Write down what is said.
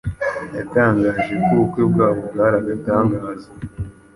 yatangaje ko ubukwe bwabo bwaragatangaza